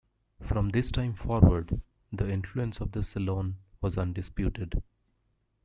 From this time forward, the influence of the Salon was undisputed.